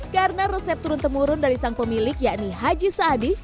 karena resep turun temurun dari sang pemilik yakni haji saadi